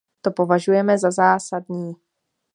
To považujeme za zásadní.